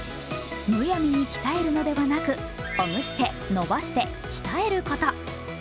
むやみに鍛えるのではなくほぐして、のばして、鍛えること。